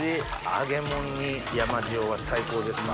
揚げ物に山塩は最高ですか？